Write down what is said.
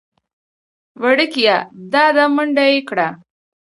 وېړکيه دا ده منډه يې کړه .